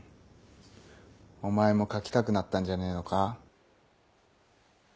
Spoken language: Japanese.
お前も書きたくなったんじゃねえのか？